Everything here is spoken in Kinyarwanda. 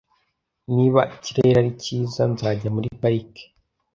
Niba ikirere ari cyiza, nzajya muri parike .